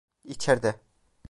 İçeride.